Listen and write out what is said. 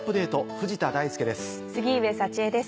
藤田大介です。